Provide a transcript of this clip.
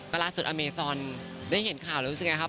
ล่าสุดอเมซอนได้เห็นข่าวแล้วรู้สึกไงครับ